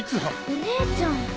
お姉ちゃん。